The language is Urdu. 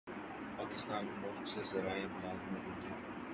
پاکستان میں بہت سے ذرائع ابلاغ موجود ہیں